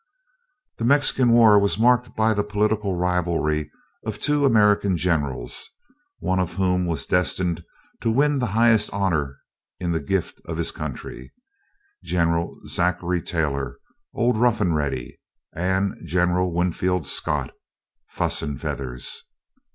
The Mexican War was marked by the political rivalry of two American Generals, one of whom was destined to win the highest honors in the gift of his country General Zachary Taylor, old "Rough and Ready," and General Winfield Scott, "Fuss and Feathers."